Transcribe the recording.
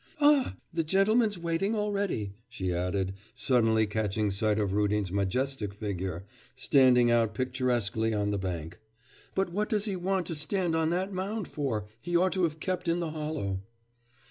Ah, the gentleman's waiting already,' she added, suddenly catching sight of Rudin's majestic figure, standing out picturesquely on the bank; 'but what does he want to stand on that mound for he ought to have kept in the hollow.